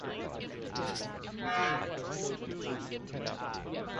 The East Twin River passes through the village.